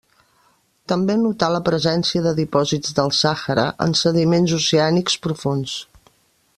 També notà la presència de dipòsits del Sàhara en sediments oceànics profunds.